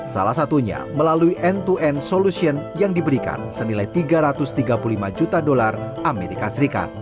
salah satunya melalui end to end solution yang diberikan senilai tiga ratus tiga puluh lima juta dolar as